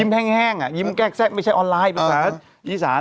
ความอุ่มมันก็ใหญ่ภาษาอิสาน